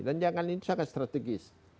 dan jangan ini sangat strategis